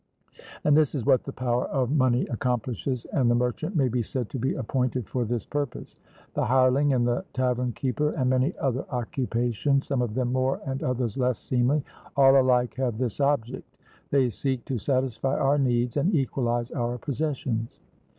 And this is what the power of money accomplishes, and the merchant may be said to be appointed for this purpose. The hireling and the tavern keeper, and many other occupations, some of them more and others less seemly all alike have this object they seek to satisfy our needs and equalize our possessions.